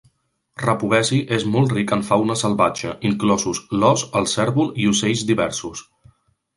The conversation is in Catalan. Repovesi és molt ric en fauna salvatge, inclosos l'ós, el cérvol i ocells diversos.